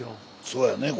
そうやね。